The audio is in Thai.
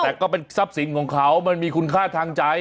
แต่ก็เป็นทรัพย์สินของเขามันมีคุณค่าทางใจ